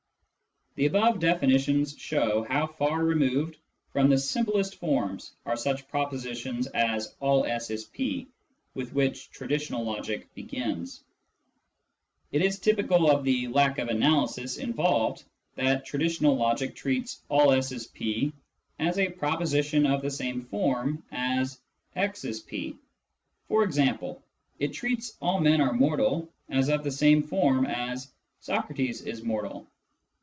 The above definitions show how far removed from the simplest forms are such propositions as " all S is P," with which tradi tional logic begins. It is typical of the lack of analysis involved that traditional logic treats " all S is P " as a proposition of the same form as " x is P "— e.g., it treats " all men are mortal " as of the same form as " Socrates is mortal."